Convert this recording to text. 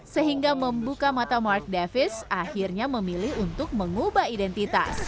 sehingga membuka mata mark davis akhirnya memilih untuk mengubah identitas